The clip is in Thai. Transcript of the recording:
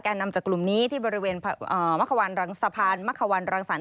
นำจากกลุ่มนี้ที่บริเวณสะพานมะควันรังสรรค